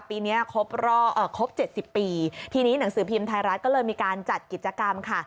ปีนี้ครบรอบครบ๗๐ปีทีนี้หนังสือพิมพ์ไทยรัฐก็เลยมีการจัดกิจกรรมค่ะ